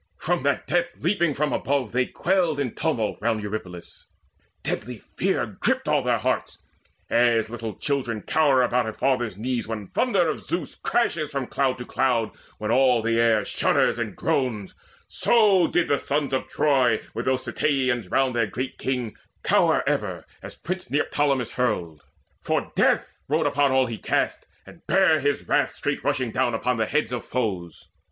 From that death leaping from above they quailed In tumult round Eurypylus: deadly fear Gripped all their hearts. As little children cower About a father's knees when thunder of Zeus Crashes from cloud to cloud, when all the air Shudders and groans, so did the sons of Troy, With those Ceteians round their great king, cower Ever as prince Neoptolemus hurled; for death Rode upon all he cast, and bare his wrath Straight rushing down upon the heads of foes.